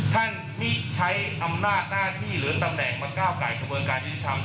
ท่านมิใช้อำนาจหน้าที่หรือตำแหน่งมาก้าวก่ายสะเบิกการยนติศาสตร์